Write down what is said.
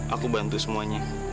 aku bantu semuanya